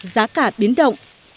giá cả biến động